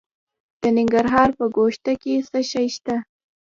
د ننګرهار په ګوشته کې څه شی شته؟